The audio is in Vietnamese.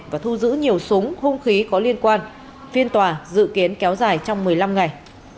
và thu giữ nhiều súng hung khí có liên quan phiên tòa dự kiến kéo dài trong một mươi năm ngày